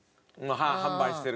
販売してるから。